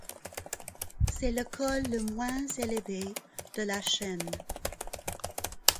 C'est le col le moins élevé de la chaîne.